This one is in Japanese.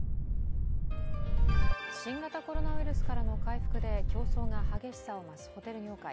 新型コロナウイルスからの回復で競争が激しさを増すホテル業界。